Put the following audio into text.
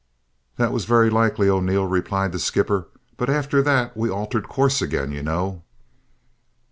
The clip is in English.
"That was very likely, O'Neil," replied the skipper, "but, after that, we altered course again, you know!"